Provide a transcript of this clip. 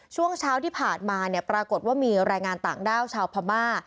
ช่วงเช้าที่ผ่านมาเนี่ยปรากฏว่ามีแรงงานต่างด้าวชาวพม่า